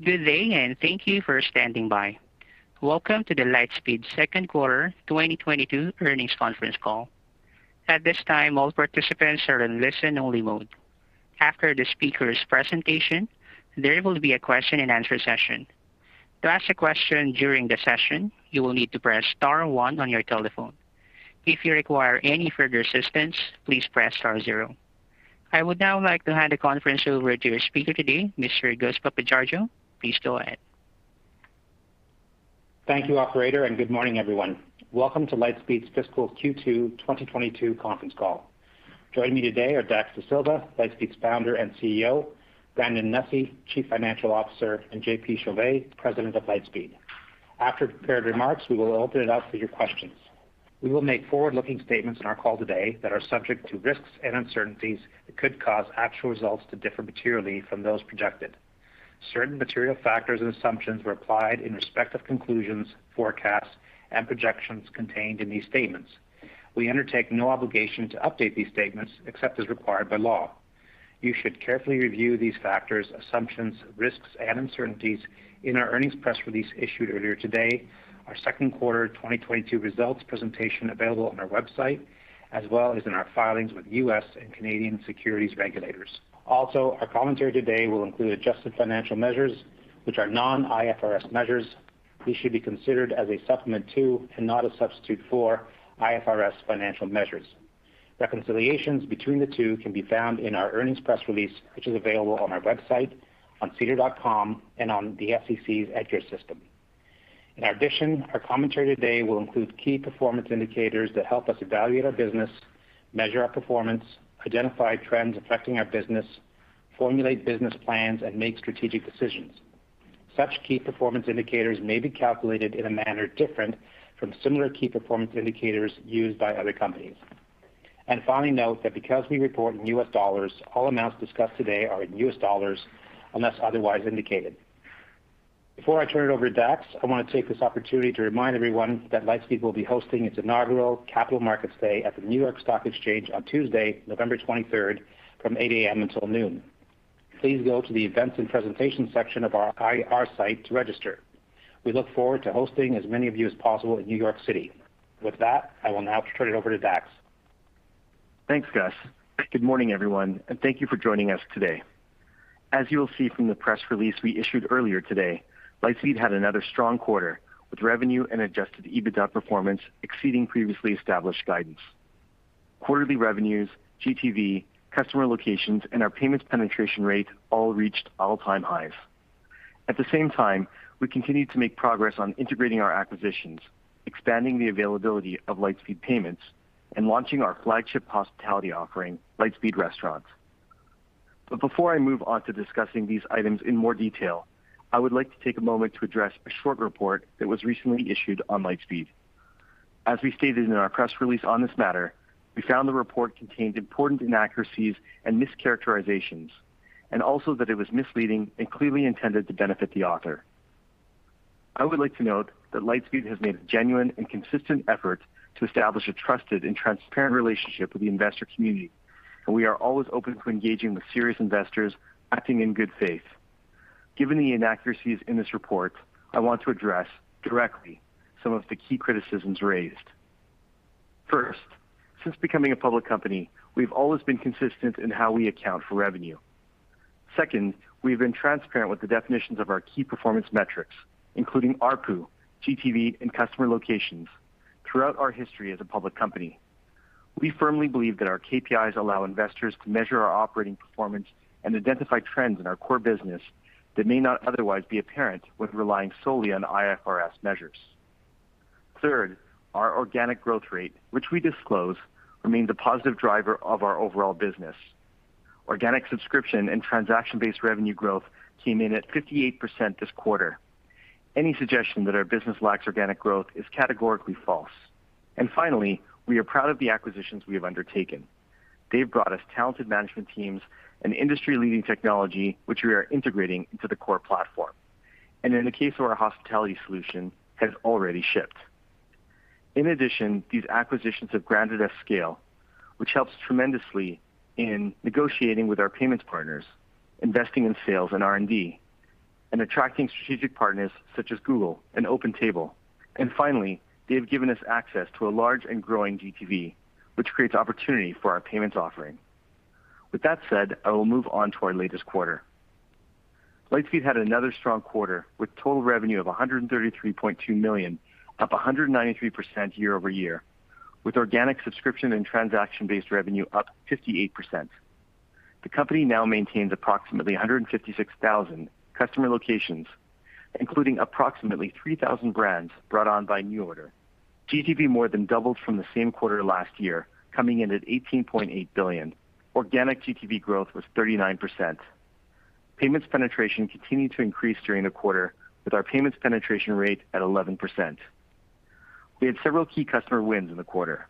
Good day and thank you for standing by. Welcome to the Lightspeed Q2 2022 earnings conference call. At this time, all participants are in listen only mode. After the speaker's presentation, there will be a question and answer session. To ask a question during the session, you will need to press star one on your telephone. If you require any further assistance, please press star zero. I would now like to hand the conference over to your speaker today, Mr. Gus Papageorgiou. Please go ahead. Thank you operator, and good morning everyone. Welcome to Lightspeed's fiscal Q2 2022 conference call. Joining me today are Dax Dasilva, Lightspeed's Founder and CEO, Brandon Nussey, Chief Financial Officer, and JP Chauvet, President of Lightspeed. After prepared remarks, we will open it up for your questions. We will make forward-looking statements in our call today that are subject to risks and uncertainties that could cause actual results to differ materially from those projected. Certain material factors and assumptions were applied in respect of conclusions, forecasts, and projections contained in these statements. We undertake no obligation to update these statements except as required by law. You should carefully review these factors, assumptions, risks, and uncertainties in our earnings press release issued earlier today, our Q2 2022 results presentation available on our website, as well as in our filings with U.S. and Canadian securities regulators. Also, our commentary today will include adjusted financial measures which are non-IFRS measures. These should be considered as a supplement to, and not a substitute for, IFRS financial measures. Reconciliations between the two can be found in our earnings press release, which is available on our website, on sedar.com, and on the SEC's EDGAR system. In addition, our commentary today will include key performance indicators that help us evaluate our business, measure our performance, identify trends affecting our business, formulate business plans, and make strategic decisions. Such key performance indicators may be calculated in a manner different from similar key performance indicators used by other companies. Finally, note that because we report in US dollars, all amounts discussed today are in US dollars unless otherwise indicated. Before I turn it over to Dax, I wanna take this opportunity to remind everyone that Lightspeed will be hosting its inaugural Capital Markets Day at the New York Stock Exchange on Tuesday, November 23, from 8:00 A.M. until noon. Please go to the events and presentation section of our IR site to register. We look forward to hosting as many of you as possible in New York City. With that, I will now turn it over to Dax. Thanks, Gus. Good morning, everyone, and thank you for joining us today. As you will see from the press release we issued earlier today, Lightspeed had another strong quarter, with revenue and adjusted EBITDA performance exceeding previously established guidance. Quarterly revenues, GTV, customer locations, and our payments penetration rate all reached all-time highs. At the same time, we continued to make progress on integrating our acquisitions, expanding the availability of Lightspeed Payments, and launching our flagship hospitality offering, Lightspeed Restaurant. Before I move on to discussing these items in more detail, I would like to take a moment to address a short report that was recently issued on Lightspeed. As we stated in our press release on this matter, we found the report contained important inaccuracies and mischaracterizations, and also that it was misleading and clearly intended to benefit the author. I would like to note that Lightspeed has made a genuine and consistent effort to establish a trusted and transparent relationship with the investor community, and we are always open to engaging with serious investors acting in good faith. Given the inaccuracies in this report, I want to address directly some of the key criticisms raised. First, since becoming a public company, we've always been consistent in how we account for revenue. Second, we've been transparent with the definitions of our key performance metrics, including ARPU, GTV, and customer locations throughout our history as a public company. We firmly believe that our KPIs allow investors to measure our operating performance and identify trends in our core business that may not otherwise be apparent with relying solely on IFRS measures. Third, our organic growth rate, which we disclose, remains a positive driver of our overall business. Organic subscription and transaction-based revenue growth came in at 58% this quarter. Any suggestion that our business lacks organic growth is categorically false. Finally, we are proud of the acquisitions we have undertaken. They've brought us talented management teams and industry-leading technology, which we are integrating into the core platform. In the case of our hospitality solution, has already shipped. In addition, these acquisitions have granted us scale, which helps tremendously in negotiating with our payments partners, investing in sales and R&D, and attracting strategic partners such as Google and OpenTable. Finally, they have given us access to a large and growing GTV, which creates opportunity for our payments offering. With that said, I will move on to our latest quarter. Lightspeed had another strong quarter, with total revenue of $133.2 million, up 193% year over year, with organic subscription and transaction-based revenue up 58%. The company now maintains approximately 156,000 customer locations, including approximately 3,000 brands brought on by NuORDER. GTV more than doubled from the same quarter last year, coming in at $18.8 billion. Organic GTV growth was 39%. Payments penetration continued to increase during the quarter, with our payments penetration rate at 11%. We had several key customer wins in the quarter.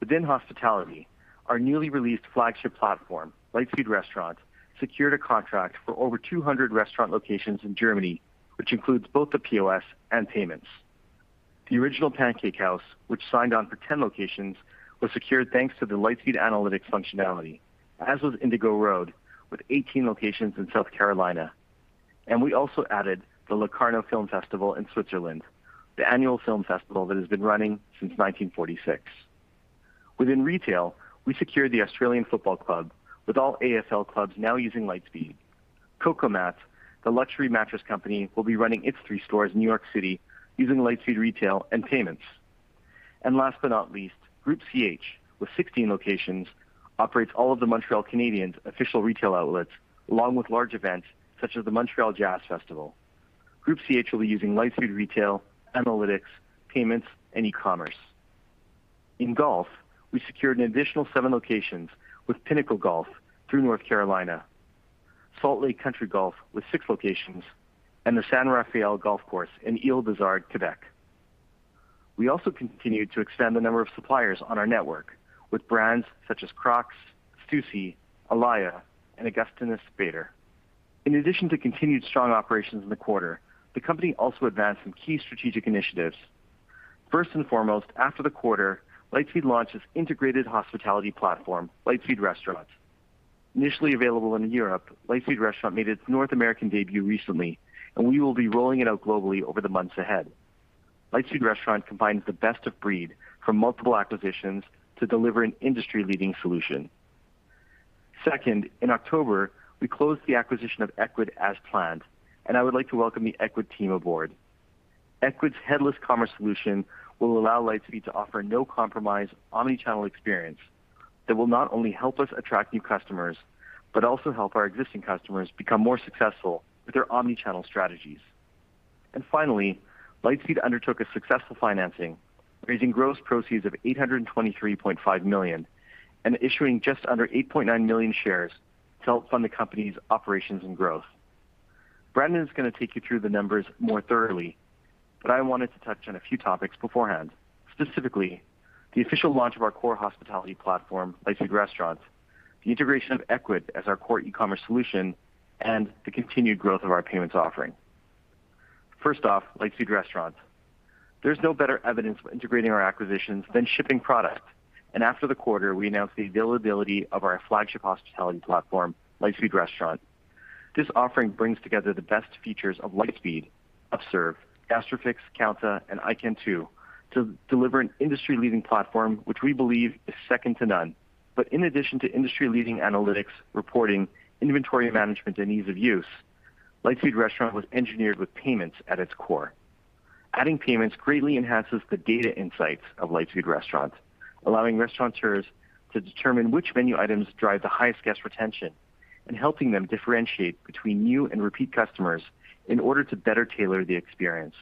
Within hospitality, our newly released flagship platform, Lightspeed Restaurant, secured a contract for over 200 restaurant locations in Germany, which includes both the POS and payments. The Original Pancake House, which signed on for 10 locations, was secured thanks to the Lightspeed analytics functionality, as was Indigo Road, with 18 locations in South Carolina. We also added the Locarno Film Festival in Switzerland, the annual film festival that has been running since 1946. Within retail, we secured the Australian Football Club, with all AFL clubs now using Lightspeed. COCO-MAT, the luxury mattress company, will be running its three stores in New York City using Lightspeed Retail and payments. Last but not least, Groupe CH, with 16 locations, operates all of the Montreal Canadiens official retail outlets, along with large events such as the Montreal Jazz Festival. Groupe CH will be using Lightspeed Retail, analytics, payments, and eCommerce. In golf, we secured an additional seven locations with Pinnacle Golf Properties in North Carolina, Salt Lake County Golf with six locations, and Golf Saint-Raphaël in L'Île-Bizard, Quebec. We also continued to extend the number of suppliers on our network with brands such as Crocs, Stüssy, Alaïa, and Augustinus Bader. In addition to continued strong operations in the quarter, the company also advanced some key strategic initiatives. First and foremost, after the quarter, Lightspeed launched its integrated hospitality platform, Lightspeed Restaurant. Initially available in Europe, Lightspeed Restaurant made its North American debut recently, and we will be rolling it out globally over the months ahead. Lightspeed Restaurant combines the best of breed from multiple acquisitions to deliver an industry-leading solution. Second, in October, we closed the acquisition of Ecwid as planned, and I would like to welcome the Ecwid team aboard. Ecwid's headless commerce solution will allow Lightspeed to offer no compromise omni-channel experience that will not only help us attract new customers, but also help our existing customers become more successful with their omni-channel strategies. Finally, Lightspeed undertook a successful financing, raising gross proceeds of $823.5 million, and issuing just under 8.9 million shares to help fund the company's operations and growth. Brandon is going to take you through the numbers more thoroughly, but I wanted to touch on a few topics beforehand, specifically the official launch of our core hospitality platform, Lightspeed Restaurant, the integration of Ecwid as our core e-commerce solution, and the continued growth of our payments offering. First off, Lightspeed Restaurant. There's no better evidence of integrating our acquisitions than shipping product. After the quarter, we announced the availability of our flagship hospitality platform, Lightspeed Restaurant. This offering brings together the best features of Lightspeed, Upserve, Gastrofix, Kounta, and iKentoo to deliver an industry-leading platform which we believe is second to none. In addition to industry-leading analytics, reporting, inventory management, and ease of use, Lightspeed Restaurant was engineered with payments at its core. Adding payments greatly enhances the data insights of Lightspeed Restaurant, allowing restaurateurs to determine which menu items drive the highest guest retention and helping them differentiate between new and repeat customers in order to better tailor the experience.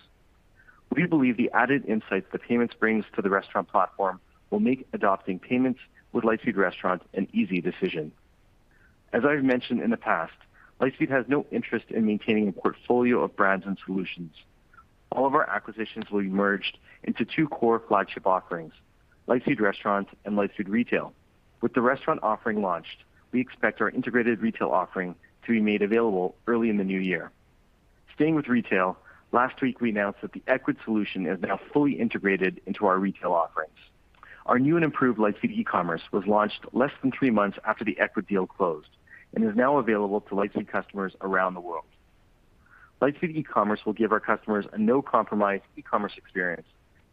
We believe the added insights that payments brings to the restaurant platform will make adopting payments with Lightspeed Restaurant an easy decision. As I've mentioned in the past, Lightspeed has no interest in maintaining a portfolio of brands and solutions. All of our acquisitions will be merged into two core flagship offerings, Lightspeed Restaurant and Lightspeed Retail. With the restaurant offering launched, we expect our integrated retail offering to be made available early in the new year. Staying with retail, last week we announced that the Ecwid solution is now fully integrated into our retail offerings. Our new and improved Lightspeed Ecommerce was launched less than three months after the Ecwid deal closed and is now available to Lightspeed customers around the world. Lightspeed Ecommerce will give our customers a no-compromise ecommerce experience,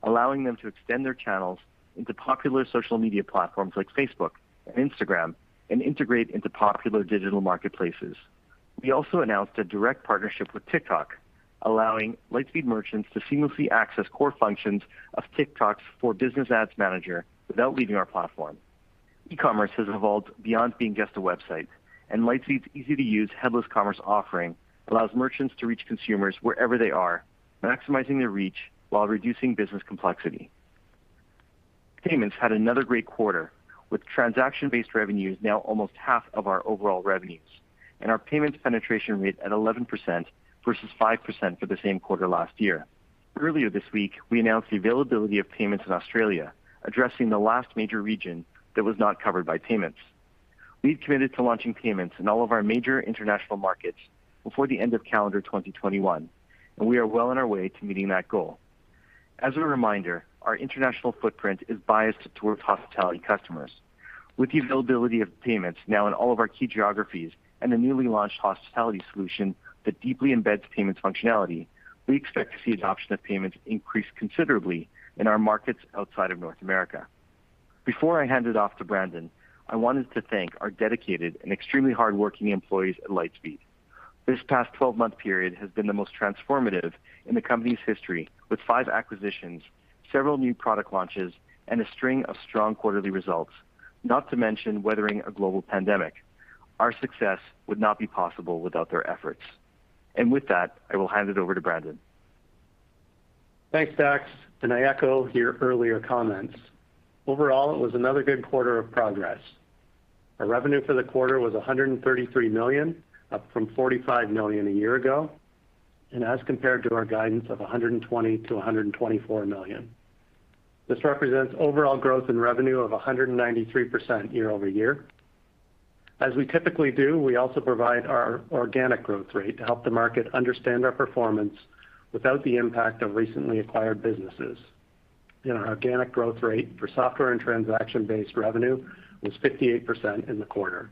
allowing them to extend their channels into popular social media platforms like Facebook and Instagram and integrate into popular digital marketplaces. We also announced a direct partnership with TikTok, allowing Lightspeed merchants to seamlessly access core functions of TikTok's for-business ads manager without leaving our platform. Ecommerce has evolved beyond being just a website, and Lightspeed's easy-to-use headless commerce offering allows merchants to reach consumers wherever they are, maximizing their reach while reducing business complexity. Payments had another great quarter, with transaction-based revenues now almost half of our overall revenues, and our payment penetration rate at 11% versus 5% for the same quarter last year. Earlier this week, we announced the availability of payments in Australia, addressing the last major region that was not covered by payments. We've committed to launching payments in all of our major international markets before the end of calendar 2021, and we are well on our way to meeting that goal. As a reminder, our international footprint is biased towards hospitality customers. With the availability of payments now in all of our key geographies and a newly launched hospitality solution that deeply embeds payments functionality, we expect to see adoption of payments increase considerably in our markets outside of North America. Before I hand it off to Brandon, I wanted to thank our dedicated and extremely hardworking employees at Lightspeed. This past 12-month period has been the most transformative in the company's history, with five acquisitions, several new product launches, and a string of strong quarterly results, not to mention weathering a global pandemic. Our success would not be possible without their efforts. With that, I will hand it over to Brandon. Thanks, Dax, and I echo your earlier comments. Overall, it was another good quarter of progress. Our revenue for the quarter was $133 million, up from $45 million a year ago, and as compared to our guidance of $120 million-$124 million. This represents overall growth in revenue of 193% year-over-year. As we typically do, we also provide our organic growth rate to help the market understand our performance without the impact of recently acquired businesses. Our organic growth rate for software and transaction-based revenue was 58% in the quarter.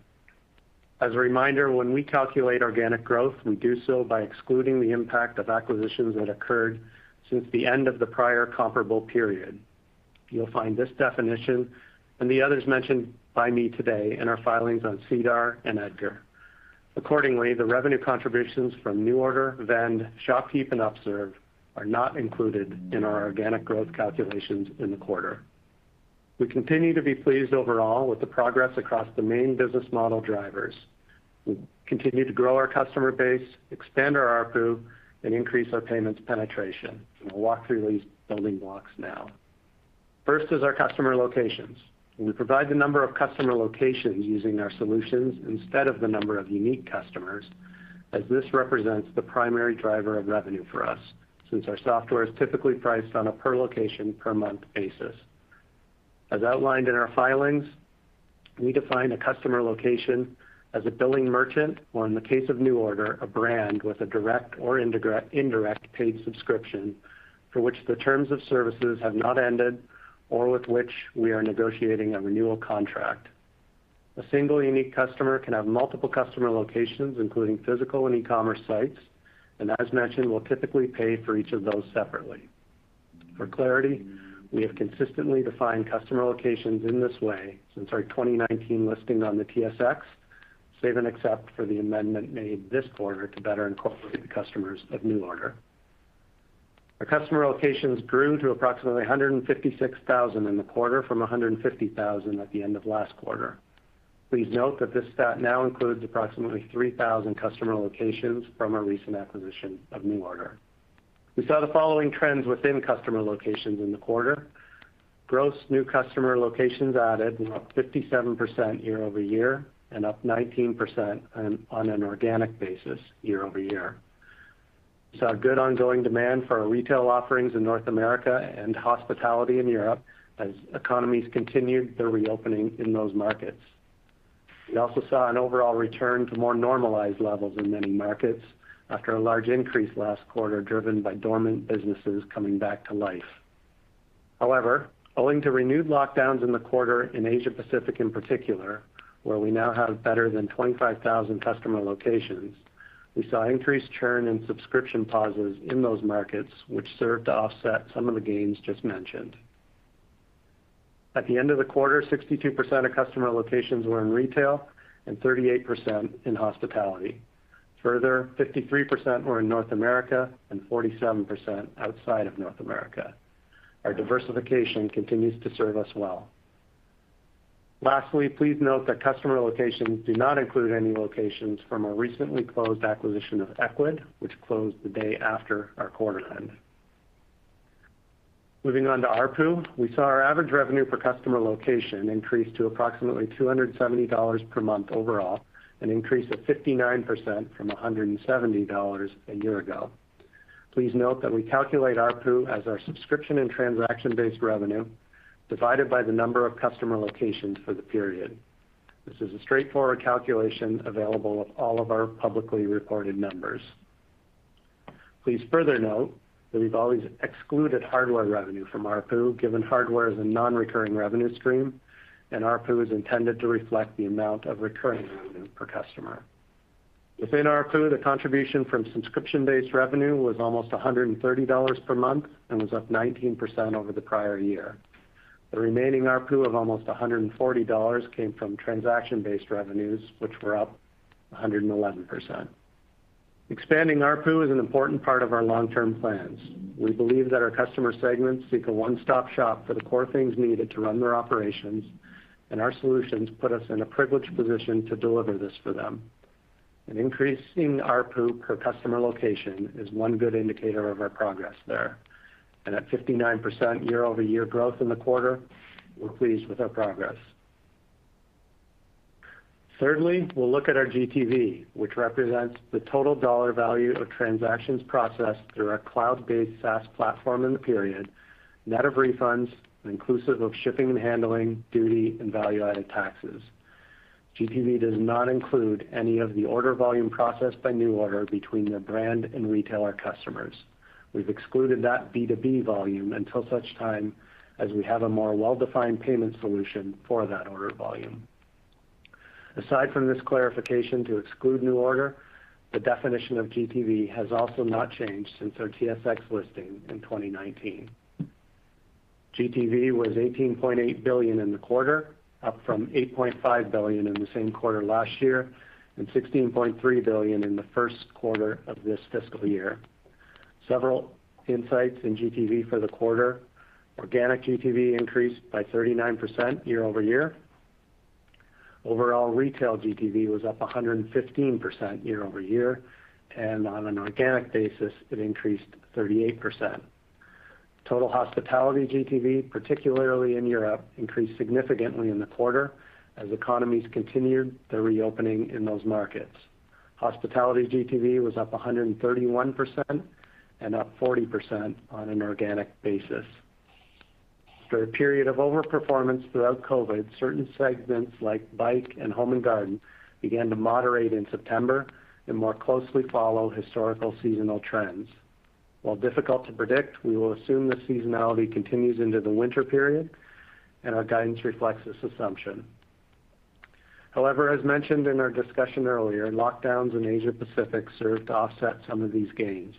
As a reminder, when we calculate organic growth, we do so by excluding the impact of acquisitions that occurred since the end of the prior comparable period. You'll find this definition and the others mentioned by me today in our filings on SEDAR and EDGAR. Accordingly, the revenue contributions from NuORDER, Vend, ShopKeep, and Upserve are not included in our organic growth calculations in the quarter. We continue to be pleased overall with the progress across the main business model drivers. We continue to grow our customer base, expand our ARPU, and increase our payments penetration, and we'll walk through these building blocks now. First is our customer locations, and we provide the number of customer locations using our solutions instead of the number of unique customers, as this represents the primary driver of revenue for us since our software is typically priced on a per location, per month basis. As outlined in our filings, we define a customer location as a billing merchant, or in the case of NuORDER, a brand with a direct or indirect paid subscription for which the terms of services have not ended or with which we are negotiating a renewal contract. A single unique customer can have multiple customer locations, including physical and e-commerce sites, and as mentioned, will typically pay for each of those separately. For clarity, we have consistently defined customer locations in this way since our 2019 listing on the TSX, save and except for the amendment made this quarter to better incorporate the customers of NuORDER. Our customer locations grew to approximately 156,000 in the quarter from 150,000 at the end of last quarter. Please note that this stat now includes approximately 3,000 customer locations from our recent acquisition of NuORDER. We saw the following trends within customer locations in the quarter. Gross new customer locations added were up 57% year-over-year and up 19% on an organic basis year-over-year. We saw good ongoing demand for our retail offerings in North America and hospitality in Europe as economies continued their reopening in those markets. We also saw an overall return to more normalized levels in many markets after a large increase last quarter, driven by dormant businesses coming back to life. However, owing to renewed lockdowns in the quarter in Asia Pacific in particular, where we now have better than 25,000 customer locations, we saw increased churn in subscription pauses in those markets, which served to offset some of the gains just mentioned. At the end of the quarter, 62% of customer locations were in retail and 38% in hospitality. Further, 53% were in North America and 47% outside of North America. Our diversification continues to serve us well. Lastly, please note that customer locations do not include any locations from our recently closed acquisition of Ecwid, which closed the day after our quarter end. Moving on to ARPU, we saw our average revenue per customer location increase to approximately $270 per month overall, an increase of 59% from $170 a year ago. Please note that we calculate ARPU as our subscription and transaction-based revenue divided by the number of customer locations for the period. This is a straightforward calculation available from all of our publicly reported numbers. Please further note that we've always excluded hardware revenue from ARPU, given hardware is a non-recurring revenue stream, and ARPU is intended to reflect the amount of recurring revenue per customer. Within ARPU, the contribution from subscription-based revenue was almost $130 per month and was up 19% over the prior year. The remaining ARPU of almost $140 came from transaction-based revenues, which were up 111%. Expanding ARPU is an important part of our long-term plans. We believe that our customer segments seek a one-stop shop for the core things needed to run their operations, and our solutions put us in a privileged position to deliver this for them. An increasing ARPU per customer location is one good indicator of our progress there. At 59% year-over-year growth in the quarter, we're pleased with our progress. Thirdly, we'll look at our GTV, which represents the total dollar value of transactions processed through our cloud-based SaaS platform in the period, net of refunds, inclusive of shipping and handling, duty, and value-added taxes. GTV does not include any of the order volume processed by NuORDER between their brand and retailer customers. We've excluded that B2B volume until such time as we have a more well-defined payment solution for that order volume. Aside from this clarification to exclude NuORDER, the definition of GTV has also not changed since our TSX listing in 2019. GTV was $18.8 billion in the quarter, up from $8.5 billion in the same quarter last year and $16.3 billion in the first quarter of this fiscal year. Several insights into GTV for the quarter. Organic GTV increased by 39% year-over-year. Overall retail GTV was up 115% year-over-year, and on an organic basis, it increased 38%. Total hospitality GTV, particularly in Europe, increased significantly in the quarter as economies continued their reopening in those markets. Hospitality GTV was up 131% and up 40% on an organic basis. For a period of overperformance throughout COVID, certain segments like bike and home and garden began to moderate in September and more closely follow historical seasonal trends. While difficult to predict, we will assume the seasonality continues into the winter period, and our guidance reflects this assumption. However, as mentioned in our discussion earlier, lockdowns in Asia Pacific served to offset some of these gains.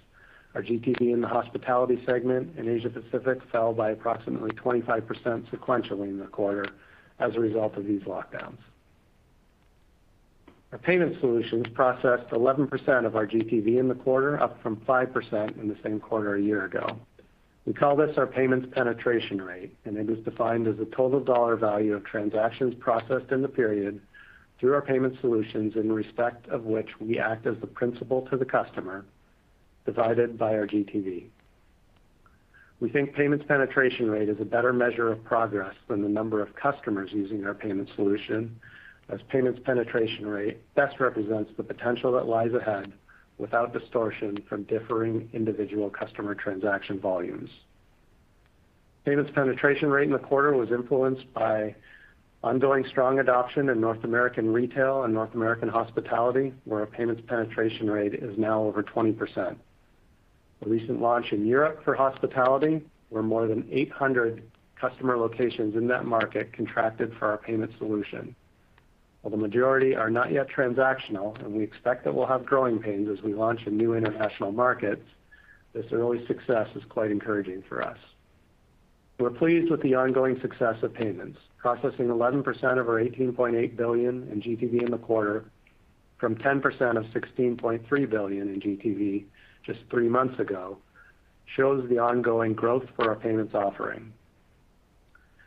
Our GTV in the hospitality segment in Asia Pacific fell by approximately 25% sequentially in the quarter as a result of these lockdowns. Our payments solutions processed 11% of our GTV in the quarter, up from 5% in the same quarter a year ago. We call this our payments penetration rate, and it is defined as the total dollar value of transactions processed in the period through our payment solutions in respect of which we act as the principal to the customer divided by our GTV. We think payments penetration rate is a better measure of progress than the number of customers using our payment solution, as payments penetration rate best represents the potential that lies ahead without distortion from differing individual customer transaction volumes. Payments penetration rate in the quarter was influenced by ongoing strong adoption in North American retail and North American hospitality, where our payments penetration rate is now over 20%. A recent launch in Europe for hospitality, where more than 800 customer locations in that market contracted for our payment solution. While the majority are not yet transactional, and we expect that we'll have growing pains as we launch in new international markets, this early success is quite encouraging for us. We're pleased with the ongoing success of payments. Processing 11% of our $18.8 billion in GTV in the quarter from 10% of $16.3 billion in GTV just three months ago shows the ongoing growth for our payments offering.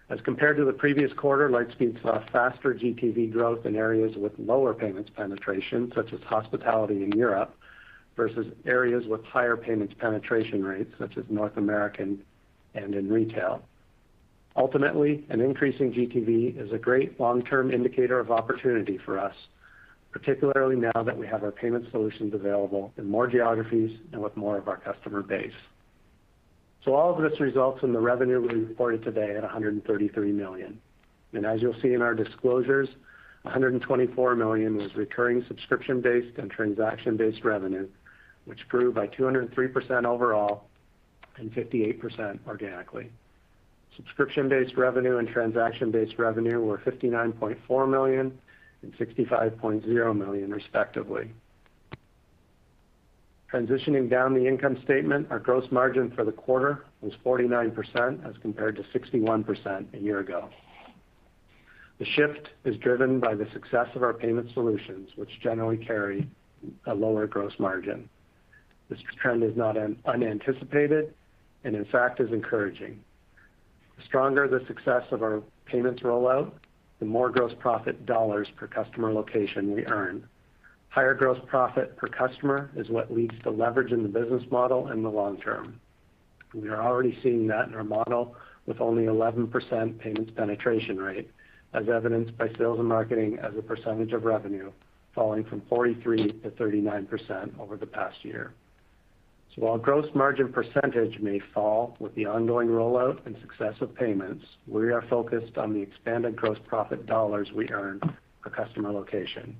As compared to the previous quarter, Lightspeed saw faster GTV growth in areas with lower payments penetration, such as hospitality in Europe, versus areas with higher payments penetration rates, such as North America and retail. Ultimately, an increase in GTV is a great long-term indicator of opportunity for us, particularly now that we have our payment solutions available in more geographies and with more of our customer base. All of this results in the revenue we reported today at $133 million. As you'll see in our disclosures, $124 million was recurring subscription-based and transaction-based revenue, which grew by 203% overall and 58% organically. Subscription-based revenue and transaction-based revenue were $59.4 million and $65.0 million, respectively. Transitioning down the income statement, our gross margin for the quarter was 49% as compared to 61% a year ago. The shift is driven by the success of our payment solutions, which generally carry a lower gross margin. This trend is not unanticipated, and in fact is encouraging. The stronger the success of our payments rollout, the more gross profit dollars per customer location we earn. Higher gross profit per customer is what leads to leverage in the business model in the long term. We are already seeing that in our model with only 11% payments penetration rate, as evidenced by sales and marketing as a percentage of revenue falling from 43%-39% over the past year. While gross margin percentage may fall with the ongoing rollout and success of payments, we are focused on the expanded gross profit dollars we earn per customer location.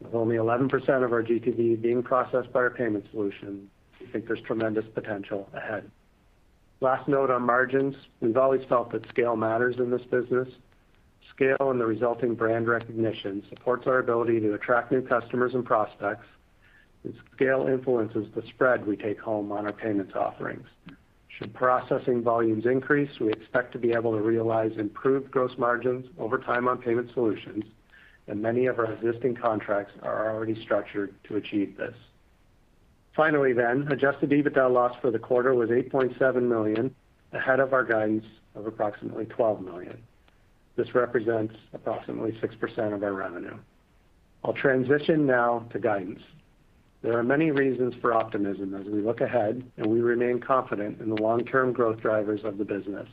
With only 11% of our GTV being processed by our payment solution, we think there's tremendous potential ahead. Last note on margins, we've always felt that scale matters in this business. Scale and the resulting brand recognition supports our ability to attract new customers and prospects, and scale influences the spread we take home on our payments offerings. Should processing volumes increase, we expect to be able to realize improved gross margins over time on payment solutions, and many of our existing contracts are already structured to achieve this. Finally, adjusted EBITDA loss for the quarter was $8.7 million, ahead of our guidance of approximately $12 million. This represents approximately 6% of our revenue. I'll transition now to guidance. There are many reasons for optimism as we look ahead, and we remain confident in the long-term growth drivers of the business.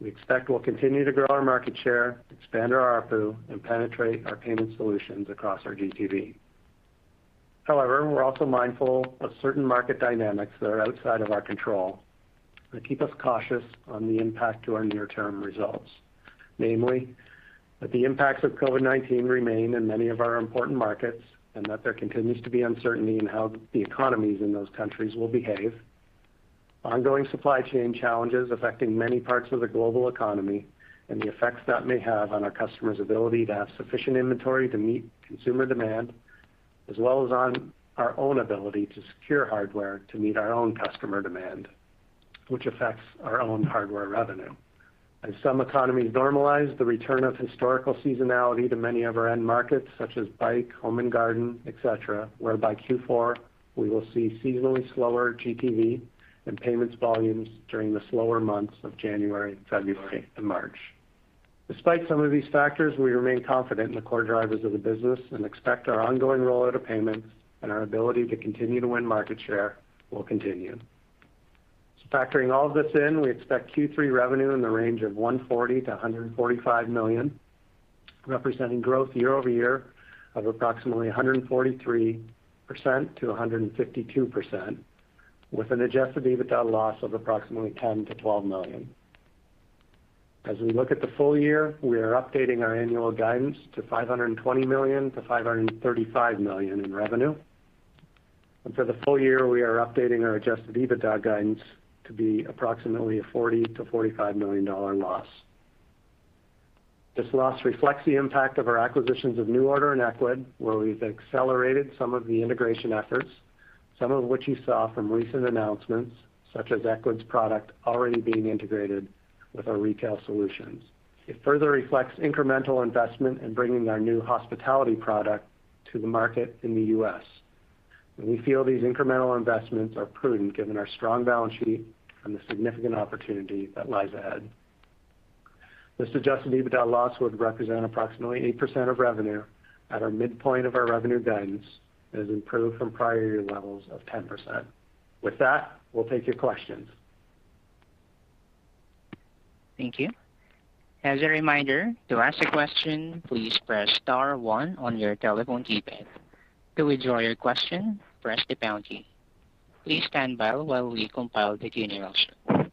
We expect we'll continue to grow our market share, expand our ARPU, and penetrate our payment solutions across our GTV. However, we're also mindful of certain market dynamics that are outside of our control that keep us cautious on the impact to our near-term results. Namely, that the impacts of COVID-19 remain in many of our important markets and that there continues to be uncertainty in how the economies in those countries will behave, ongoing supply chain challenges affecting many parts of the global economy and the effects that may have on our customers' ability to have sufficient inventory to meet consumer demand, as well as on our own ability to secure hardware to meet our own customer demand, which affects our own hardware revenue. As some economies normalize, the return of historical seasonality to many of our end markets, such as bike, home and garden, et cetera, whereby Q4, we will see seasonally slower GTV and payments volumes during the slower months of January, February, and March. Despite some of these factors, we remain confident in the core drivers of the business and expect our ongoing rollout of payments and our ability to continue to win market share will continue. Factoring all of this in, we expect Q3 revenue in the range of $140-$145 million. Representing year-over-year growth of approximately 143%-152%, with an adjusted EBITDA loss of approximately $10-$12 million. As we look at the full year, we are updating our annual guidance to $520-$535 million in revenue. For the full year, we are updating our adjusted EBITDA guidance to be approximately a $40-$45 million loss. This loss reflects the impact of our acquisitions of NuORDER and Ecwid, where we've accelerated some of the integration efforts, some of which you saw from recent announcements, such as Ecwid's product already being integrated with our retail solutions. It further reflects incremental investment in bringing our new hospitality product to the market in the U.S. We feel these incremental investments are prudent given our strong balance sheet and the significant opportunity that lies ahead. This adjusted EBITDA loss would represent approximately 8% of revenue at our midpoint of our revenue guidance, and has improved from prior year levels of 10%. With that, we'll take your questions. Thank you. As a reminder, to ask a question, please press star one on your telephone keypad. To withdraw your question, press the pound key. Please stand by while we compile the general stream.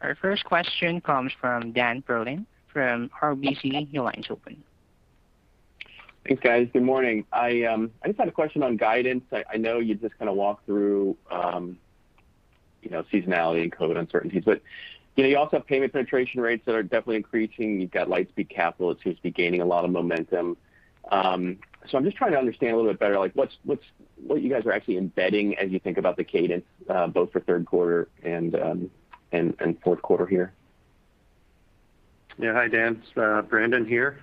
Our first question comes from Dan Perlin from RBC. Your line is open. Thanks, guys. Good morning. I just had a question on guidance. I know you just kind of walked through, you know, seasonality and COVID uncertainties, but, you know, you also have payment penetration rates that are definitely increasing. You've got Lightspeed Capital, it seems to be gaining a lot of momentum. So I'm just trying to understand a little bit better, like what you guys are actually embedding as you think about the cadence, both for Q3 and Q4 here. Yeah. Hi, Dan. It's Brandon here.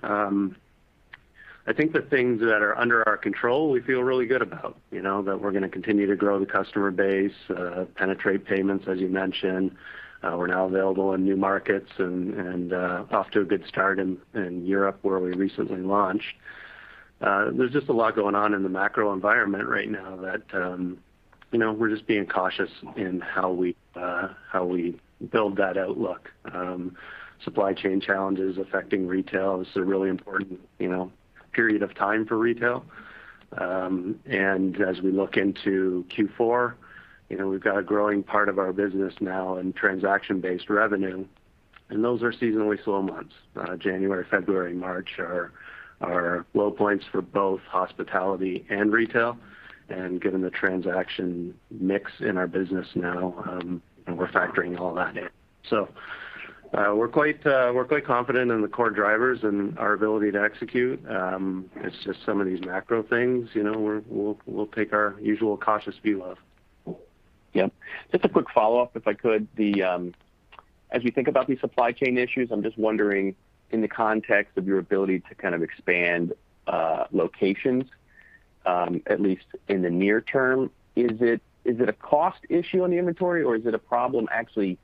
I think the things that are under our control, we feel really good about, you know, that we're gonna continue to grow the customer base, penetrate payments as you mentioned. We're now available in new markets and off to a good start in Europe where we recently launched. There's just a lot going on in the macro environment right now that, you know, we're just being cautious in how we build that outlook. Supply chain challenges affecting retail. This is a really important, you know, period of time for retail. As we look into Q4, you know, we've got a growing part of our business now in transaction-based revenue, and those are seasonally slow months. January, February, March are low points for both hospitality and retail. Given the transaction mix in our business now, we're factoring all that in. We're quite confident in the core drivers and our ability to execute. It's just some of these macro things, you know, we'll take our usual cautious view of. Yeah. Just a quick follow-up, if I could. As you think about these supply chain issues, I'm just wondering in the context of your ability to kind of expand locations, at least in the near term, is it a cost issue on the inventory, or is it a problem actually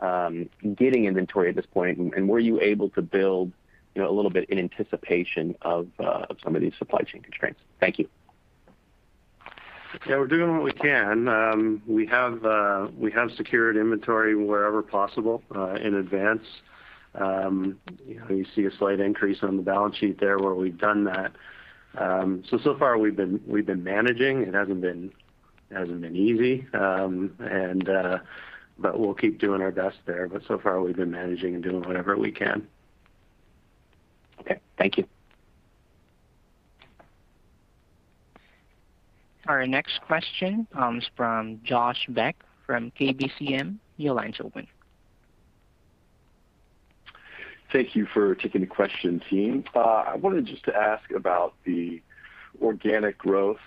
getting inventory at this point? Were you able to build, you know, a little bit in anticipation of some of these supply chain constraints? Thank you. Yeah, we're doing what we can. We have secured inventory wherever possible, in advance. You know, you see a slight increase on the balance sheet there where we've done that. So far we've been managing. It hasn't been easy. We'll keep doing our best there. So far, we've been managing and doing whatever we can. Okay. Thank you. Our next question comes from Josh Beck from KBCM. Your line is open. Thank you for taking the question, team. I wanted just to ask about the organic growth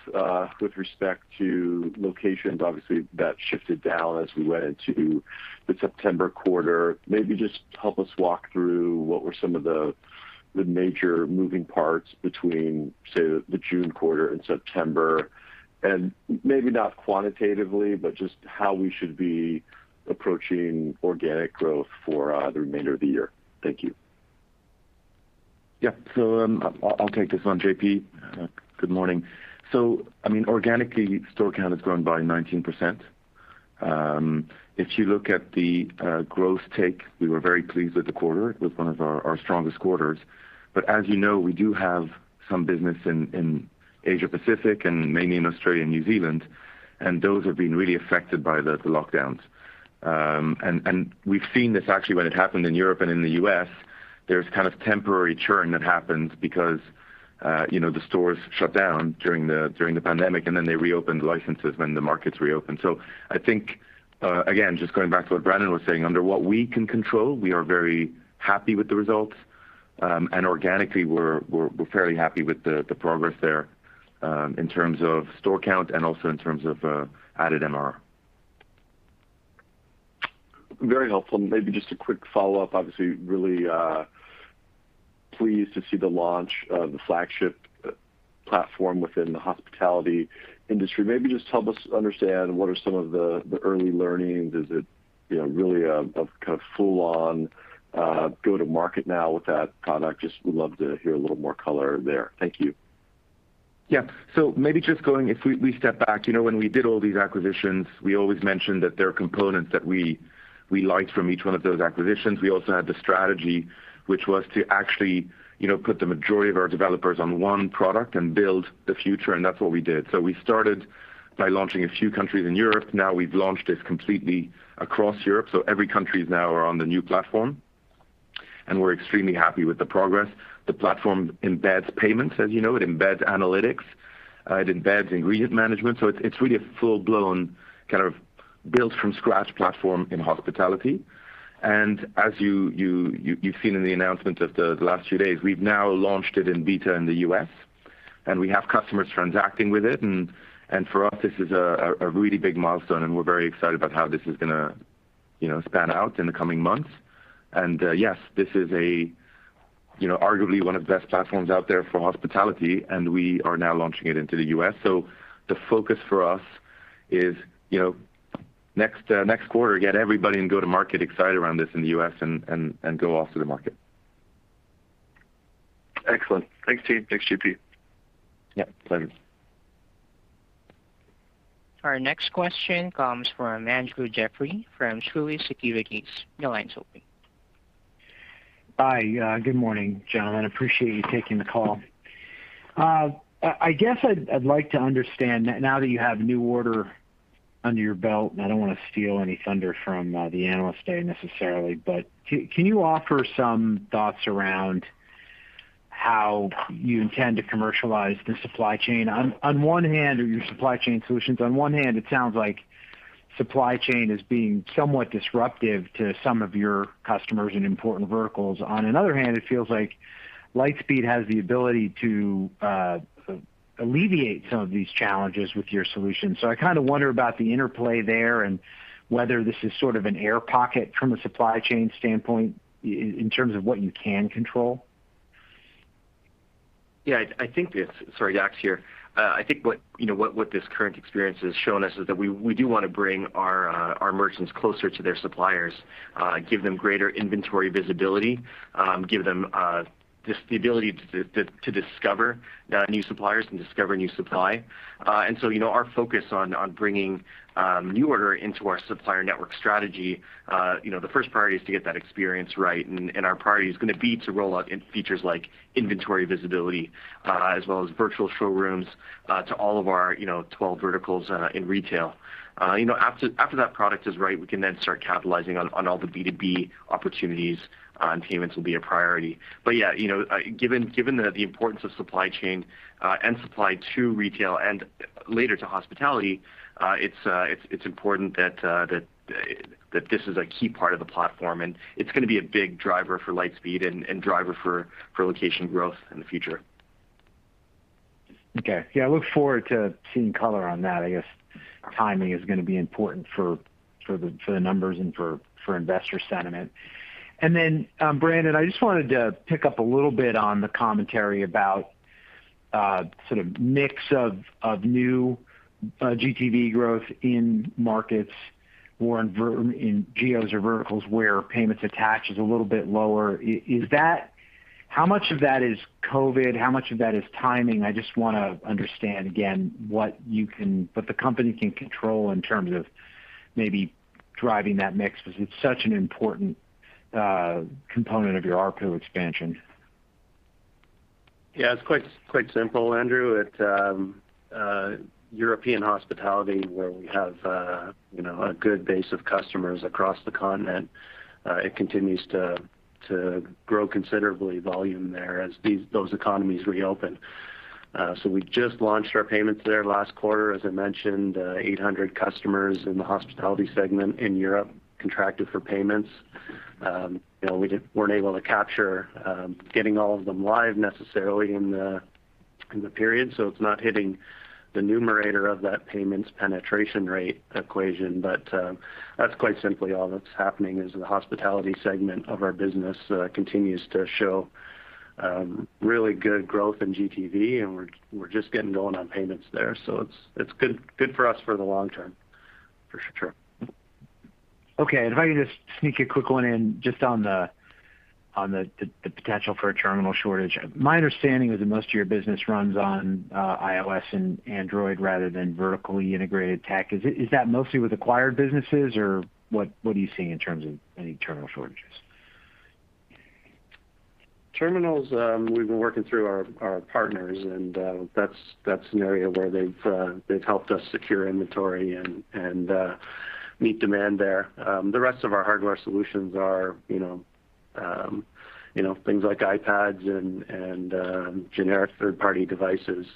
with respect to locations. Obviously, that shifted down as we went into the September quarter. Maybe just help us walk through what were some of the major moving parts between, say, the June quarter and September, and maybe not quantitatively, but just how we should be approaching organic growth for the remainder of the year. Thank you. I'll take this one. JP. Good morning. I mean, organically, store count has grown by 19%. If you look at the growth rate, we were very pleased with the quarter. It was one of our strongest quarters. As you know, we do have some business in Asia-Pacific and mainly in Australia and New Zealand, and those have been really affected by the lockdowns. We've seen this actually, when it happened in Europe and in the U.S., there's kind of temporary churn that happens because you know, the stores shut down during the pandemic, and then they reopened the locations when the markets reopened. I think, again, just going back to what Brandon was saying, under what we can control, we are very happy with the results. Organically, we're fairly happy with the progress there in terms of store count and also in terms of added MRR. Very helpful. Maybe just a quick follow-up. Obviously, really pleased to see the launch of the flagship platform within the hospitality industry. Maybe just help us understand what are some of the early learnings. Is it really a kind of full-on go to market now with that product? Just would love to hear a little more color there. Thank you. If we step back, you know, when we did all these acquisitions, we always mentioned that there are components that we liked from each one of those acquisitions. We also had the strategy, which was to actually, you know, put the majority of our developers on one product and build the future, and that's what we did. We started by launching a few countries in Europe. Now we've launched it completely across Europe. Every country now are on the new platform, and we're extremely happy with the progress. The platform embeds payments, as you know. It embeds analytics. It embeds ingredient management. It's really a full-blown, kind of built from scratch platform in hospitality. As you've seen in the announcement of the last few days, we've now launched it in beta in the U.S., and we have customers transacting with it. For us, this is a really big milestone, and we're very excited about how this is gonna, you know, span out in the coming months. Yes, this is a, you know, arguably one of the best platforms out there for hospitality, and we are now launching it into the U.S. The focus for us is, you know, next quarter, get everybody and go to market excited around this in the U.S. and go after the market. Excellent. Thanks, team. Thanks, JP. Yeah, pleasure. Our next question comes from Andrew Jeffrey from Truist Securities. Your line's open. Hi. Good morning, gentlemen. Appreciate you taking the call. I guess I'd like to understand now that you have NuORDER under your belt, and I don't wanna steal any thunder from the Analyst Day necessarily, but can you offer some thoughts around how you intend to commercialize the supply chain? On one hand, or your supply chain solutions. On one hand, it sounds like supply chain is being somewhat disruptive to some of your customers in important verticals. On another hand, it feels like Lightspeed has the ability to alleviate some of these challenges with your solution. I kinda wonder about the interplay there and whether this is sort of an air pocket from a supply chain standpoint in terms of what you can control. Sorry. Dax here. I think what you know what this current experience has shown us is that we do wanna bring our merchants closer to their suppliers, give them greater inventory visibility, give them just the ability to discover new suppliers and discover new supply. Our focus on bringing NuORDER into our supplier network strategy, you know, the first priority is to get that experience right, and our priority is gonna be to roll out in features like inventory visibility, as well as virtual showrooms, to all of our, you know, 12 verticals in retail. You know, after that product is right, we can then start capitalizing on all the B2B opportunities, and payments will be a priority. Yeah, you know, given the importance of supply chain and supply to retail and later to hospitality, it's important that this is a key part of the platform, and it's gonna be a big driver for Lightspeed and driver for location growth in the future. Okay. Yeah, I look forward to seeing color on that. I guess timing is gonna be important for the numbers and for investor sentiment. Brandon, I just wanted to pick up a little bit on the commentary about sort of mix of new GTV growth in markets or in geos or verticals where payments attached is a little bit lower. Is that how much of that is COVID? How much of that is timing? I just wanna understand again what the company can control in terms of maybe driving that mix because it's such an important component of your ARPU expansion. Yeah. It's quite simple, Andrew. European hospitality, where we have you know a good base of customers across the continent, it continues to grow considerable volume there as those economies reopen. We just launched our payments there last quarter. As I mentioned, 800 customers in the hospitality segment in Europe contracted for payments. You know, we weren't able to capture getting all of them live necessarily in the period, so it's not hitting the numerator of that payments penetration rate equation. That's quite simply all that's happening, is the hospitality segment of our business continues to show really good growth in GTV, and we're just getting going on payments there. It's good for us for the long term, for sure. Okay. If I could just sneak a quick one in just on the potential for a terminal shortage. My understanding is that most of your business runs on iOS and Android rather than vertically integrated tech. Is that mostly with acquired businesses, or what are you seeing in terms of any terminal shortages? Terminals, we've been working through our partners, and that's an area where they've helped us secure inventory and meet demand there. The rest of our hardware solutions are, you know, things like iPads and generic third-party devices.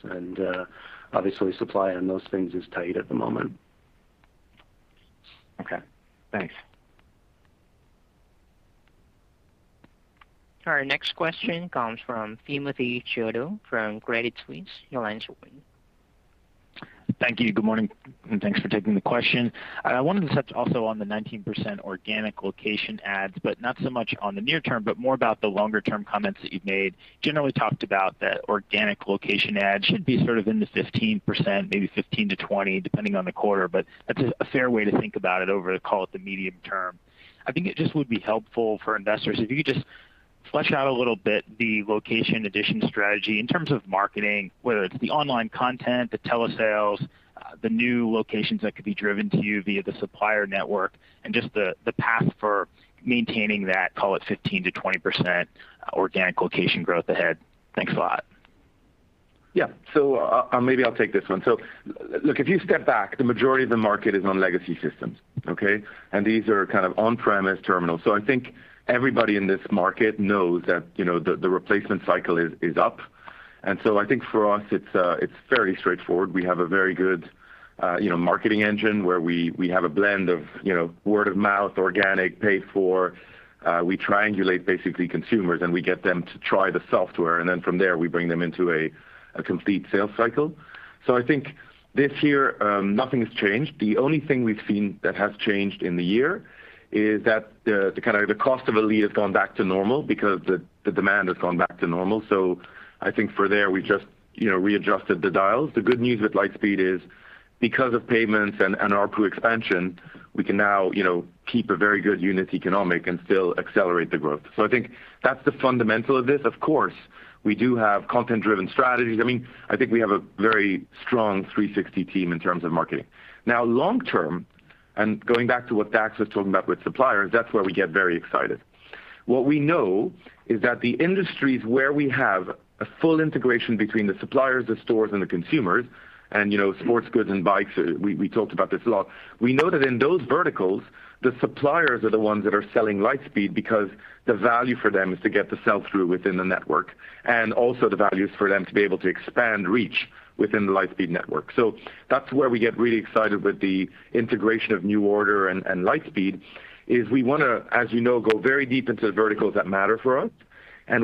Obviously, supply on those things is tight at the moment. Okay. Thanks. Our next question comes from Timothy Chiodo from Credit Suisse. Your line's open. Thank you. Good morning, and thanks for taking the question. I wanted to touch also on the 19% organic location adds, but not so much on the near term, but more about the longer term comments that you've made. Generally talked about that organic location add should be sort of in the 15%, maybe 15-20, depending on the quarter, but that's a fair way to think about it over, call it, the medium term. I think it just would be helpful for investors if you could just flesh out a little bit the location addition strategy in terms of marketing, whether it's the online content, the telesales, the new locations that could be driven to you via the supplier network and just the path for maintaining that, call it 15%-20% organic location growth ahead. Thanks a lot. Maybe I'll take this one. Look, if you step back, the majority of the market is on legacy systems, okay? These are kind of on-premise terminals. I think everybody in this market knows that the replacement cycle is up. I think for us it's fairly straightforward. We have a very good marketing engine where we have a blend of word of mouth, organic, paid for. We triangulate basically consumers, and we get them to try the software, and then from there we bring them into a complete sales cycle. I think this year nothing has changed. The only thing we've seen that has changed in the year is that the kind of the cost of a lead has gone back to normal because the demand has gone back to normal. I think for there we've just, you know, readjusted the dials. The good news with Lightspeed is because of payments and our pre-expansion, we can now, you know, keep a very good unit economics and still accelerate the growth. I think that's the fundamental of this. Of course, we do have content-driven strategies. I mean, I think we have a very strong 360 team in terms of marketing. Now long term, and going back to what Dax was talking about with suppliers, that's where we get very excited. What we know is that the industries where we have a full integration between the suppliers, the stores, and the consumers and, you know, sports goods and bikes, we talked about this a lot. We know that in those verticals, the suppliers are the ones that are selling Lightspeed because the value for them is to get the sell through within the network. The value is for them to be able to expand reach within the Lightspeed network. That's where we get really excited with the integration of NuORDER and Lightspeed, is we wanna, as you know, go very deep into the verticals that matter for us.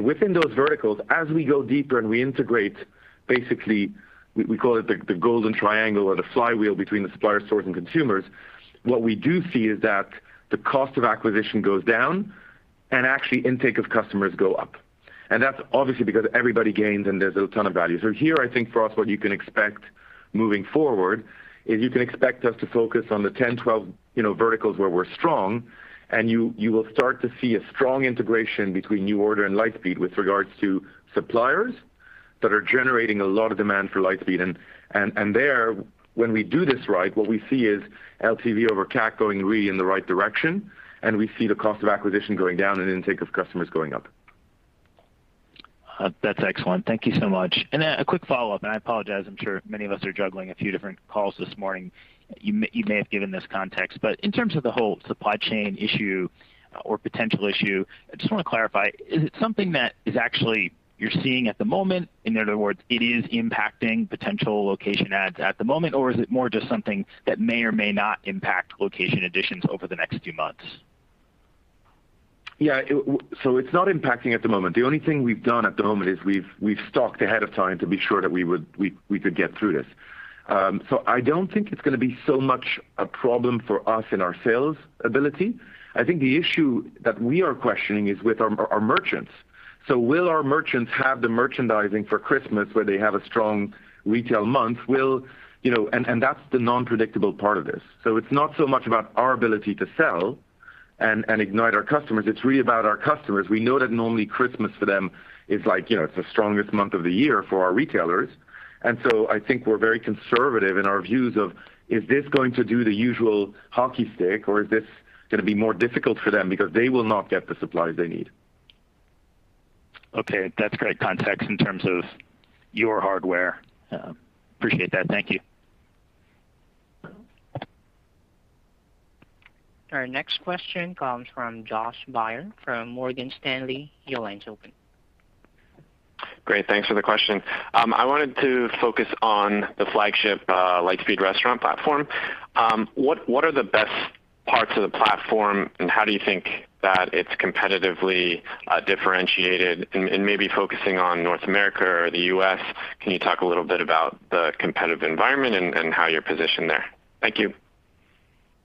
Within those verticals, as we go deeper and we integrate, basically we call it the golden triangle or the flywheel between the suppliers, stores, and consumers. What we do see is that the cost of acquisition goes down and actually intake of customers go up. That's obviously because everybody gains and there's a ton of value. Here, I think for us, what you can expect moving forward is you can expect us to focus on the 10, 12, you know, verticals where we're strong and you will start to see a strong integration between NuORDER and Lightspeed with regards to suppliers that are generating a lot of demand for Lightspeed. There, when we do this right, what we see is LTV over CAC going really in the right direction and we see the cost of acquisition going down and intake of customers going up. That's excellent. Thank you so much. A quick follow-up, and I apologize, I'm sure many of us are juggling a few different calls this morning. You may have given this context, but in terms of the whole supply chain issue or potential issue, I just wanna clarify, is it something that is actually you're seeing at the moment? In other words, it is impacting potential location adds at the moment, or is it more just something that may or may not impact location additions over the next few months? It's not impacting at the moment. The only thing we've done at the moment is we've stocked ahead of time to be sure that we could get through this. I don't think it's gonna be so much a problem for us in our sales ability. I think the issue that we are questioning is with our merchants. Will our merchants have the merchandising for Christmas where they have a strong retail month? You know, that's the unpredictable part of this. It's not so much about our ability to sell and ignite our customers. It's really about our customers. We know that normally Christmas for them is like, you know, it's the strongest month of the year for our retailers. I think we're very conservative in our views of, is this going to do the usual hockey stick or is this gonna be more difficult for them because they will not get the supplies they need? Okay. That's great context in terms of your hardware. Appreciate that. Thank you. Our next question comes from Josh Baer from Morgan Stanley. Your line's open. Great. Thanks for the question. I wanted to focus on the flagship Lightspeed Restaurant platform. What are the best parts of the platform, and how do you think that it's competitively differentiated and maybe focusing on North America or the U.S., can you talk a little bit about the competitive environment and how you're positioned there? Thank you.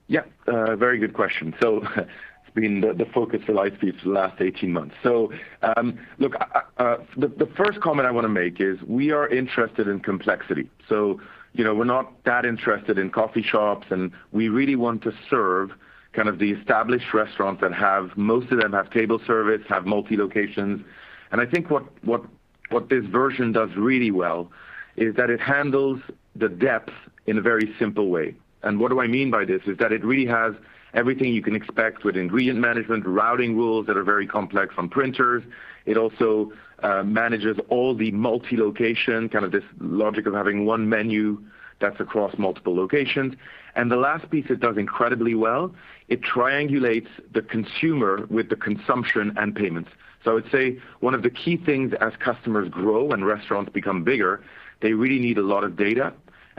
Yeah. Very good question. It's been the focus of Lightspeed for the last 18 months. Look, the first comment I wanna make is we are interested in complexity. You know, we're not that interested in coffee shops, and we really want to serve kind of the established restaurants that have table service, have multi-locations. Most of them have table service, have multi-locations. I think what this version does really well is that it handles the depth in a very simple way. What do I mean by this? Is that it really has everything you can expect with ingredient management, routing rules that are very complex on printers. It also manages all the multi-location, kind of this logic of having one menu that's across multiple locations. The last piece it does incredibly well, it triangulates the consumer with the consumption and payments. I would say one of the key things as customers grow and restaurants become bigger, they really need a lot of data.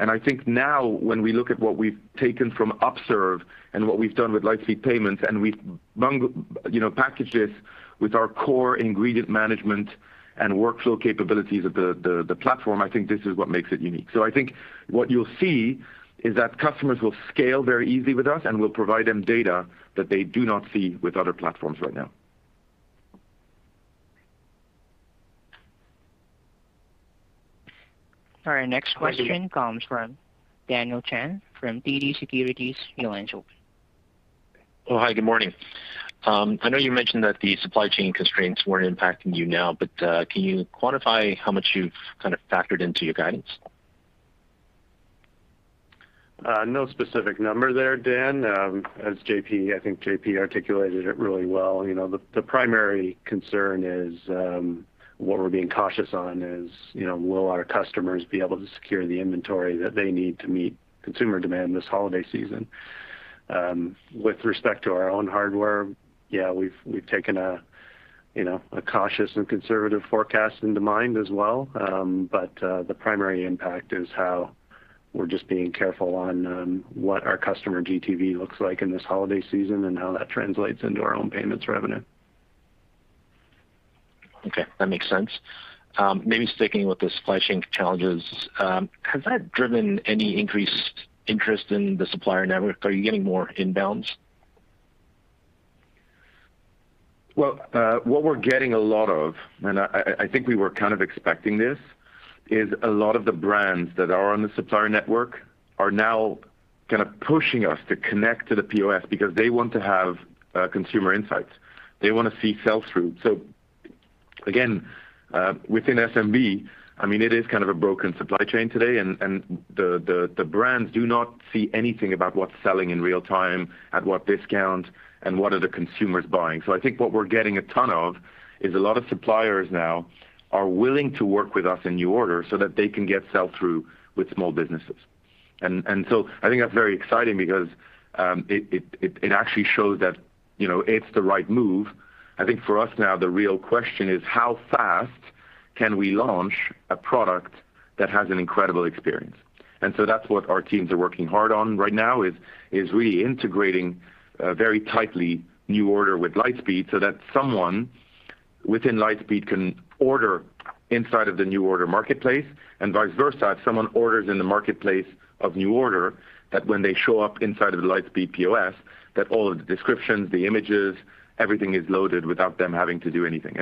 I think now when we look at what we've taken from Upserve and what we've done with Lightspeed Payments, and we've bundled you know, packaged this with our core ingredient management and workflow capabilities of the platform, I think this is what makes it unique. I think what you'll see is that customers will scale very easily with us, and we'll provide them data that they do not see with other platforms right now. Our next question comes from Daniel Chan from TD Securities. Your line's open. Oh, hi, good morning. I know you mentioned that the supply chain constraints weren't impacting you now, but can you quantify how much you've kind of factored into your guidance? No specific number there, Dan. As JP articulated it really well. I think JP articulated it really well. You know, the primary concern is what we're being cautious on is, you know, will our customers be able to secure the inventory that they need to meet consumer demand this holiday season? With respect to our own hardware, we've taken a cautious and conservative forecast in mind as well. The primary impact is how we're just being careful on what our customer GTV looks like in this holiday season and how that translates into our own payments revenue. Okay, that makes sense. Maybe sticking with the supply chain challenges, has that driven any increased interest in the supplier network? Are you getting more inbounds? Well, what we're getting a lot of, and I think we were kind of expecting this, is a lot of the brands that are on the supplier network are now kind of pushing us to connect to the POS because they want to have consumer insights. They wanna see sell-through. Again, within SMB, I mean, it is kind of a broken supply chain today, and the brands do not see anything about what's selling in real time, at what discount, and what are the consumers buying. I think what we're getting a ton of is a lot of suppliers now are willing to work with us in NuORDER so that they can get sell-through with small businesses. I think that's very exciting because it actually shows that, you know, it's the right move. I think for us now the real question is how fast can we launch a product that has an incredible experience. That's what our teams are working hard on right now is really integrating very tightly NuORDER with Lightspeed so that someone within Lightspeed can order inside of the NuORDER marketplace, and vice versa, if someone orders in the marketplace of NuORDER, that when they show up inside of the Lightspeed POS, that all of the descriptions, the images, everything is loaded without them having to do anything.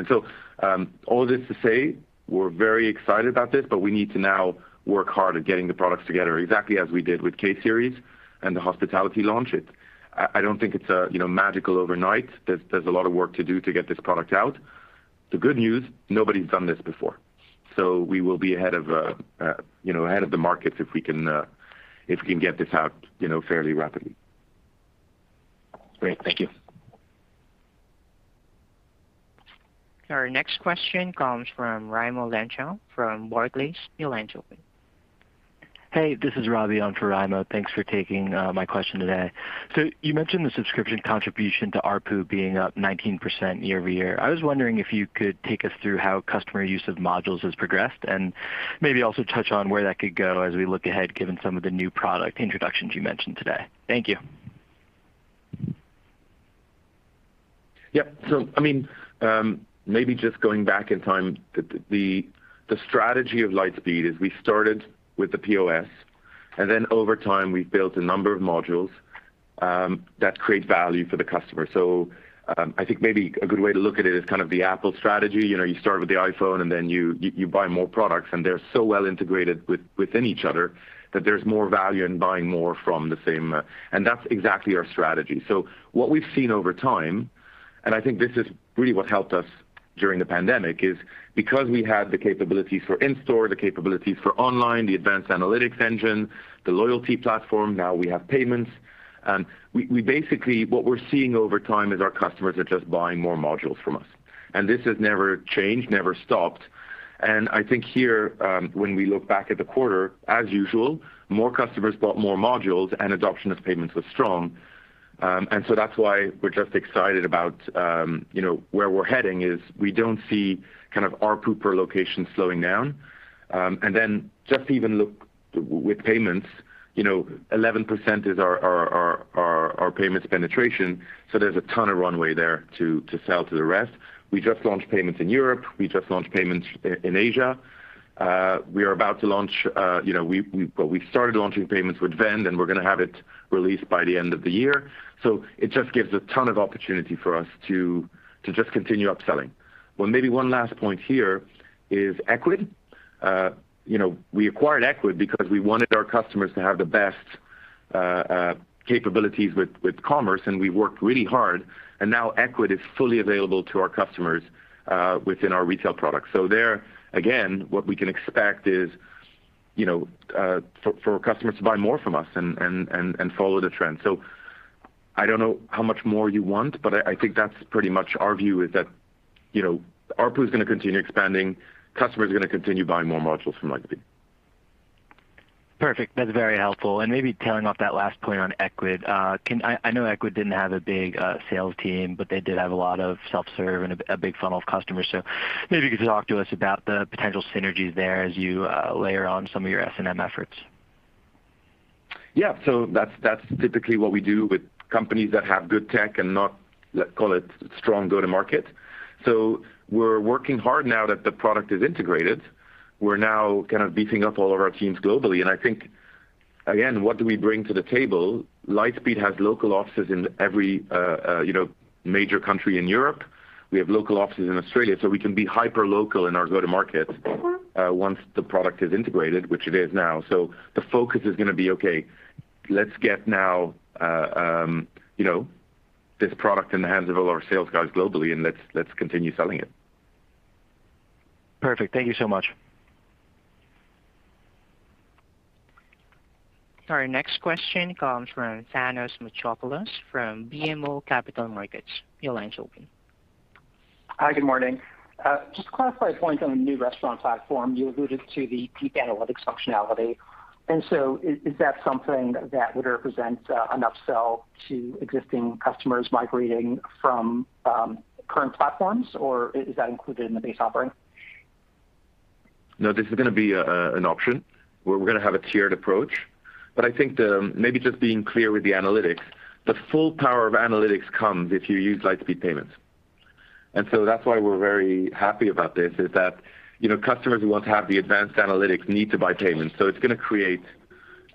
All this to say, we're very excited about this, but we need to now work hard at getting the products together, exactly as we did with K-Series and the hospitality launch. I don't think it's a, you know, magical overnight. There's a lot of work to do to get this product out. The good news, nobody's done this before, so we will be ahead of, you know, ahead of the markets if we can get this out, you know, fairly rapidly. Great. Thank you. Our next question comes from Raimo Lenschow from Barclays. Your line's open. Hey, this is Robbie on for Raimo. Thanks for taking my question today. You mentioned the subscription contribution to ARPU being up 19% year-over-year. I was wondering if you could take us through how customer use of modules has progressed, and maybe also touch on where that could go as we look ahead, given some of the new product introductions you mentioned today. Thank you. I mean, maybe just going back in time, the strategy of Lightspeed is we started with the POS, and then over time, we've built a number of modules that create value for the customer. I think maybe a good way to look at it is kind of the Apple strategy. You know, you start with the iPhone, and then you buy more products, and they're so well integrated within each other that there's more value in buying more from the same. That's exactly our strategy. What we've seen over time, and I think this is really what helped us during the pandemic, is because we had the capabilities for in-store, the capabilities for online, the advanced analytics engine, the loyalty platform, now we have payments, we basically, what we're seeing over time is our customers are just buying more modules from us. This has never changed, never stopped. I think here, when we look back at the quarter, as usual, more customers bought more modules and adoption of payments was strong. That's why we're just excited about, you know, where we're heading, is we don't see kind of ARPU per location slowing down. Just even look with payments, you know, 11% is our payments penetration, so there's a ton of runway there to sell to the rest. We just launched payments in Europe. We just launched payments in Asia. We are about to launch. We started launching payments with Vend, and we're gonna have it released by the end of the year. So it just gives a ton of opportunity for us to just continue upselling. Maybe one last point here is Ecwid. You know, we acquired Ecwid because we wanted our customers to have the best capabilities with commerce, and we worked really hard, and now Ecwid is fully available to our customers within our retail products. There again, what we can expect is, you know, for our customers to buy more from us and follow the trend. I don't know how much more you want, but I think that's pretty much our view is that, you know, ARPU is gonna continue expanding. Customers are gonna continue buying more modules from Lightspeed. Perfect. That's very helpful. Maybe building off that last point on Ecwid, I know Ecwid didn't have a big sales team, but they did have a lot of self-serve and a big funnel of customers. Maybe you could talk to us about the potential synergies there as you layer on some of your S&M efforts. Yeah. That's typically what we do with companies that have good tech and not, let's call it strong go-to-market. We're working hard now that the product is integrated. We're now kind of beefing up all of our teams globally. I think again, what do we bring to the table? Lightspeed has local offices in every, you know, major country in Europe. We have local offices in Australia, so we can be hyper local in our go-to-market once the product is integrated, which it is now. The focus is gonna be, okay, let's get now, you know, this product in the hands of all our sales guys globally, and let's continue selling it. Perfect. Thank you so much. Our next question comes from Thanos Moschopoulos from BMO Capital Markets. Your line's open. Hi, good morning. Just to clarify a point on the new restaurant platform, you alluded to the deep analytics functionality. Is that something that would represent an upsell to existing customers migrating from current platforms, or is that included in the base offering? No, this is gonna be an option, where we're gonna have a tiered approach. I think maybe just being clear with the analytics, the full power of analytics comes if you use Lightspeed Payments. That's why we're very happy about this, is that, you know, customers who want to have the advanced analytics need to buy payments.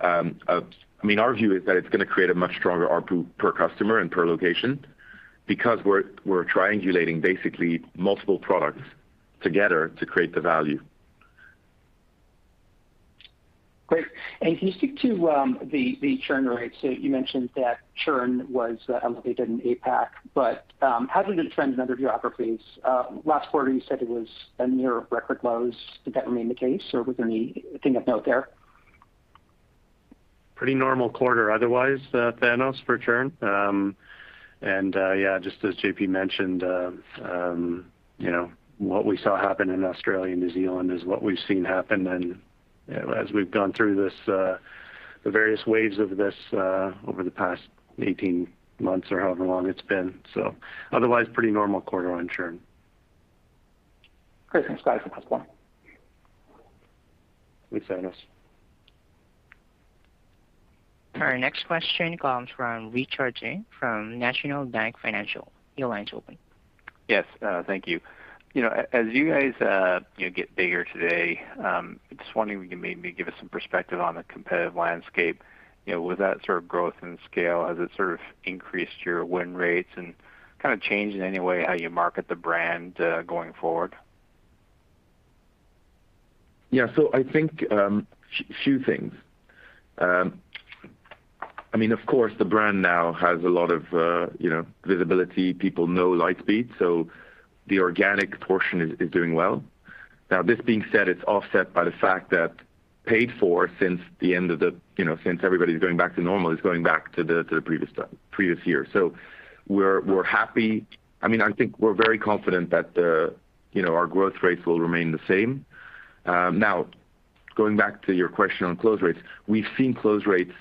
I mean, our view is that it's gonna create a much stronger ARPU per customer and per location because we're triangulating basically multiple products together to create the value. Great. Can you speak to the churn rates? You mentioned that churn was elevated in APAC, but how did it trend in other geographies? Last quarter, you said it was near record lows. Did that remain the case, or was there anything of note there? Pretty normal quarter otherwise, Thanos, for churn. Yeah, just as JP mentioned, you know, what we saw happen in Australia and New Zealand is what we've seen happen and, you know, as we've gone through this, the various waves of this, over the past 18 months or however long it's been. Otherwise, pretty normal quarter on churn. Great. Thanks, guys. Next one. Thanks, Thanos. Our next question comes from Richard Tse from National Bank Financial. Your line's open. Yes, thank you. You know, as you guys, you know, get bigger today, I'm just wondering if you can maybe give us some perspective on the competitive landscape. You know, with that sort of growth and scale, has it sort of increased your win rates and kind of changed in any way how you market the brand, going forward? Yeah. I think a few things. I mean, of course, the brand now has a lot of, you know, visibility. People know Lightspeed, so the organic portion is doing well. Now this being said, it's offset by the fact that paid for since the end of the, you know, since everybody's going back to normal, is going back to the previous year. We're happy. I mean, I think we're very confident that the, you know, our growth rates will remain the same. Now going back to your question on close rates, we've seen close rates,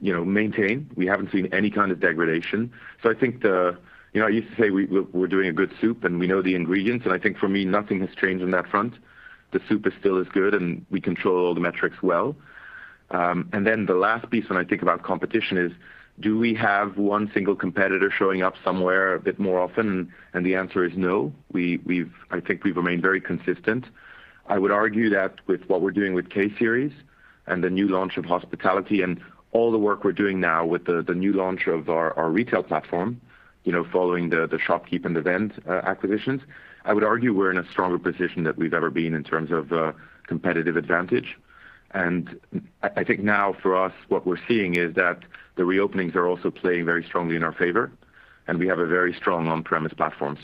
you know, maintain. We haven't seen any kind of degradation. I think the. You know, I used to say we're doing a good soup, and we know the ingredients, and I think for me, nothing has changed on that front. The soup is still as good, and we control all the metrics well. Then the last piece when I think about competition is, do we have one single competitor showing up somewhere a bit more often? The answer is no. I think we've remained very consistent. I would argue that with what we're doing with K-Series and the new launch of hospitality and all the work we're doing now with the new launch of our retail platform, you know, following the ShopKeep and Vend acquisitions, I would argue we're in a stronger position than we've ever been in terms of competitive advantage. I think now for us, what we're seeing is that the reopenings are also playing very strongly in our favor, and we have a very strong on-premise platform.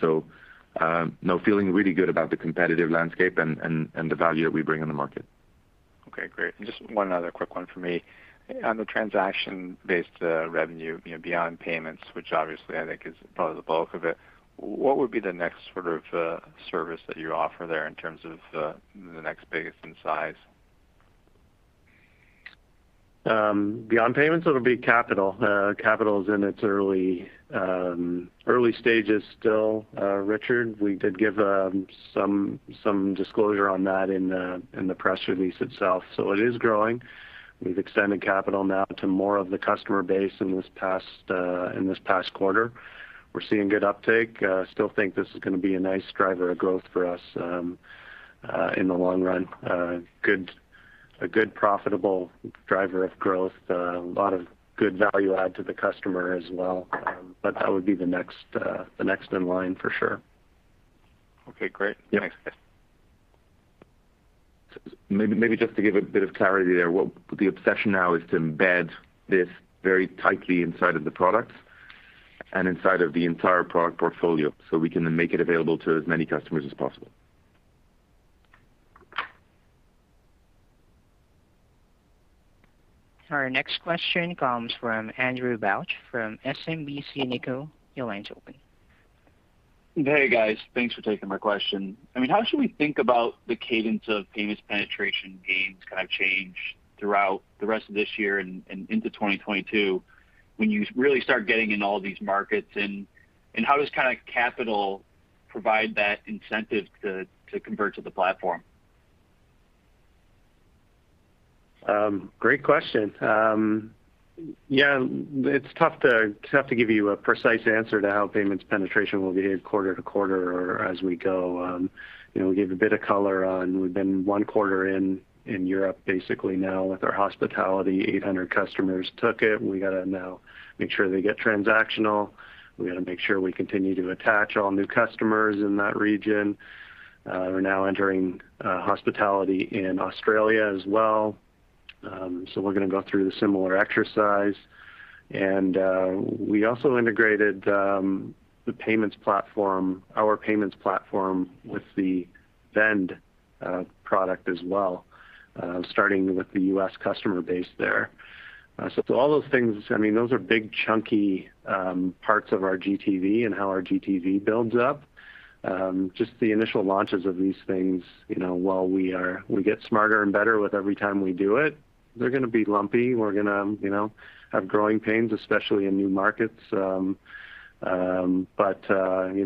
No, feeling really good about the competitive landscape and the value that we bring in the market. Okay. Great. Just one other quick one for me. On the transaction-based revenue, you know, beyond payments, which obviously I think is probably the bulk of it, what would be the next sort of service that you offer there in terms of the next biggest in size? Beyond payments, it'll be Capital. Capital is in its early stages still, Richard. We did give some disclosure on that in the press release itself. It is growing. We've extended Capital now to more of the customer base in this past quarter. We're seeing good uptake. Still think this is gonna be a nice driver of growth for us in the long run. A good profitable driver of growth. A lot of good value add to the customer as well. That would be the next in line for sure. Okay, great. Yeah. Thanks, guys. Maybe just to give a bit of clarity there, what the obsession now is to embed this very tightly inside of the products and inside of the entire product portfolio, so we can then make it available to as many customers as possible. Our next question comes from Andrew Bauch from SMBC Nikko. Your line's open. Hey, guys. Thanks for taking my question. I mean, how should we think about the cadence of payments penetration gains kind of change throughout the rest of this year and into 2022 when you really start getting in all these markets? How does Lightspeed Capital provide that incentive to convert to the platform? Great question. Yeah, it's tough to give you a precise answer to how payments penetration will behave quarter to quarter or as we go. You know, we gave a bit of color on we've been one quarter in Europe basically now with our hospitality. 800 customers took it. We gotta now make sure they get transactional. We gotta make sure we continue to attach all new customers in that region. We're now entering hospitality in Australia as well. So we're gonna go through the similar exercise. We also integrated the payments platform, our payments platform with the Vend product as well, starting with the U.S. customer base there. So all those things, I mean, those are big chunky parts of our GTV and how our GTV builds up. Just the initial launches of these things, you know, while we get smarter and better with every time we do it, they're gonna be lumpy. We're gonna, you know, have growing pains, especially in new markets. You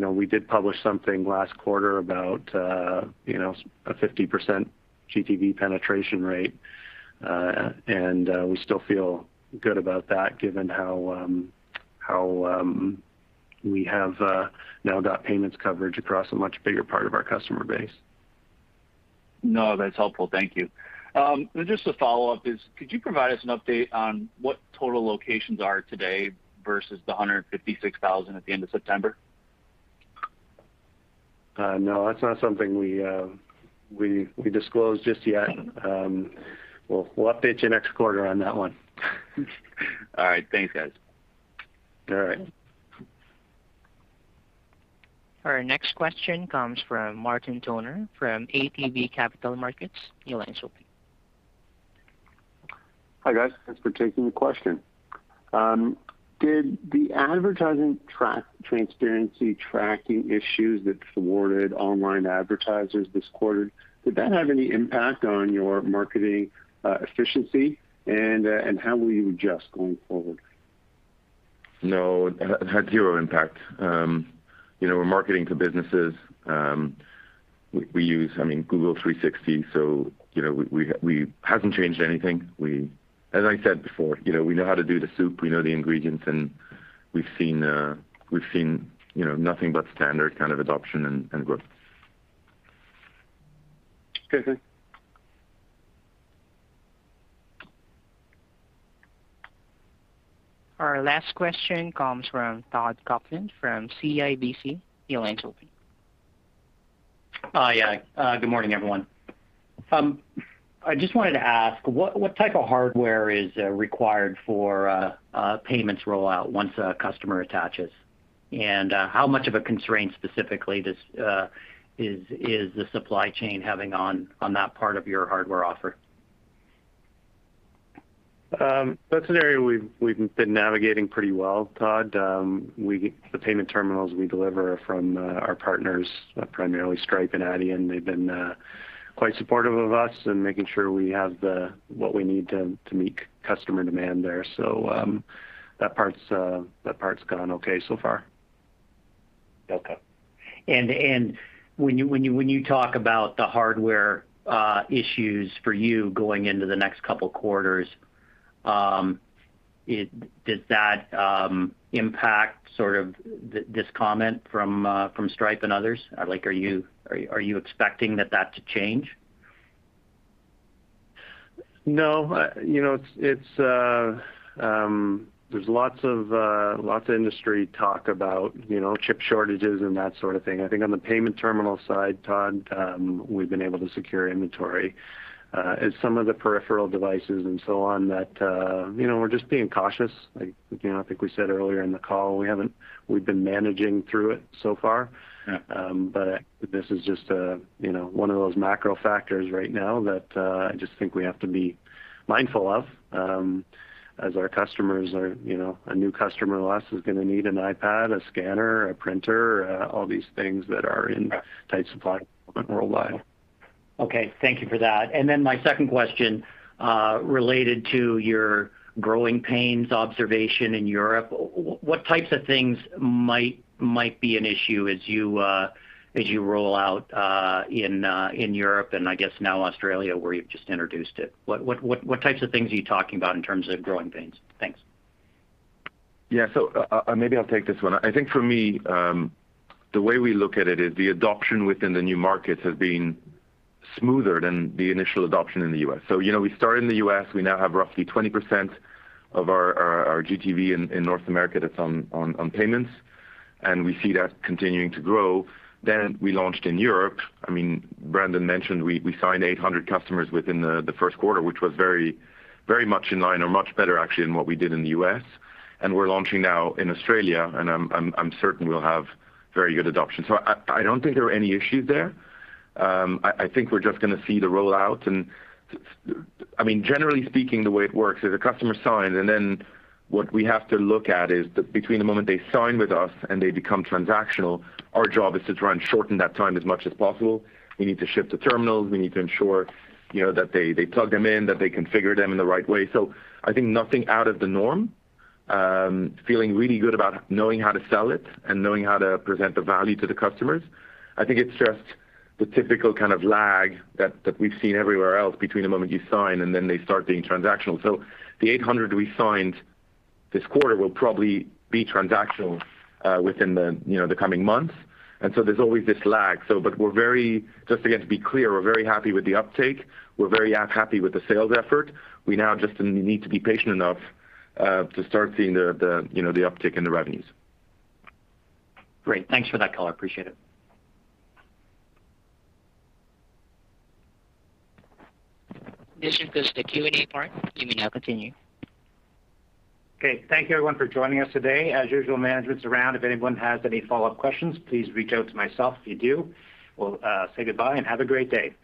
know, we did publish something last quarter about, you know, a 50% GTV penetration rate. We still feel good about that given how we have now got payments coverage across a much bigger part of our customer base. No, that's helpful. Thank you. Just a follow-up is, could you provide us an update on what total locations are today versus the 156,000 at the end of September? No, that's not something we disclose just yet. We'll update you next quarter on that one. All right. Thanks, guys. All right. Our next question comes from Martin Toner from ATB Capital Markets. Your line is open. Hi, guys. Thanks for taking the question. Did the advertising transparency tracking issues that thwarted online advertisers this quarter have any impact on your marketing efficiency? How will you adjust going forward? No, it had 0 impact. You know, we're marketing to businesses. We use, I mean, Google 360, so, you know, we haven't changed anything. As I said before, you know, we know how to do the math, we know the ingredients, and we've seen, you know, nothing but standard kind of adoption and growth. Okay. Thank you. Our last question comes from Todd Coupland from CIBC. Your line is open. Hi. Good morning, everyone. I just wanted to ask, what type of hardware is required for payments rollout once a customer attaches? How much of a constraint specifically this is the supply chain having on that part of your hardware offer? That's an area we've been navigating pretty well, Todd. The payment terminals we deliver are from our partners, primarily Stripe and Adyen. They've been quite supportive of us in making sure we have what we need to meet customer demand there. That part's gone okay so far. Okay. When you talk about the hardware issues for you going into the next couple quarters, does that impact sort of this comment from Stripe and others? Like, are you expecting that to change? No. You know, there's lots of industry talk about, you know, chip shortages and that sort of thing. I think on the payment terminal side, Todd, we've been able to secure inventory. It's some of the peripheral devices and so on that, you know, we're just being cautious. Like, you know, I think we said earlier in the call, we've been managing through it so far. Yeah. This is just, you know, one of those macro factors right now that I just think we have to be mindful of, as our customers are, you know, a new customer of us is gonna need an iPad, a scanner, a printer, all these things that are in tight supply worldwide. Okay. Thank you for that. My second question, related to your growing pains observation in Europe. What types of things might be an issue as you roll out in Europe and I guess now Australia, where you've just introduced it? What types of things are you talking about in terms of growing pains? Thanks. Yeah. Maybe I'll take this one. I think for me, the way we look at it is the adoption within the new markets has been smoother than the initial adoption in the U.S. You know, we started in the U.S. We now have roughly 20% of our GTV in North America that's on payments, and we see that continuing to grow. We launched in Europe. I mean, Brandon mentioned we signed 800 customers within the first quarter, which was very much in line or much better actually than what we did in the U.S. We're launching now in Australia, and I'm certain we'll have very good adoption. I don't think there are any issues there. I think we're just gonna see the rollout. I mean, generally speaking, the way it works is a customer signs, and then what we have to look at is between the moment they sign with us and they become transactional, our job is to try and shorten that time as much as possible. We need to ship the terminals. We need to ensure, you know, that they plug them in, that they configure them in the right way. I think nothing out of the norm. Feeling really good about knowing how to sell it and knowing how to present the value to the customers. I think it's just the typical kind of lag that we've seen everywhere else between the moment you sign and then they start being transactional. The 800 we signed this quarter will probably be transactional within the, you know, the coming months. There's always this lag. We're very just again, to be clear, we're very happy with the uptake. We're very happy with the sales effort. We now just need to be patient enough to start seeing the, you know, the uptick in the revenues. Great. Thanks for that color. Appreciate it. This concludes the Q&A part. You may now continue. Okay. Thank you everyone for joining us today. As usual, management's around. If anyone has any follow-up questions, please reach out to myself if you do. We'll say goodbye and have a great day.